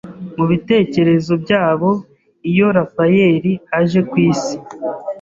mubitekerezo byabo Iyo Rafayeli aje ku isi